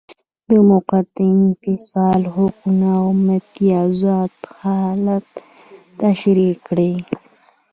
د موقت انفصال او حقوقو او امتیازاتو حالت تشریح کړئ.